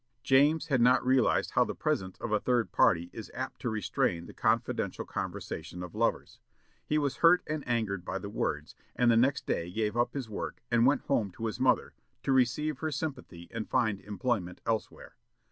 James had not realized how the presence of a third party is apt to restrain the confidential conversation of lovers. He was hurt and angered by the words, and the next day gave up his work, and went home to his mother, to receive her sympathy and find employment elsewhere.